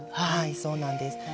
そうなんです。